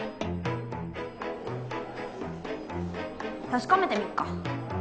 確かめてみっか。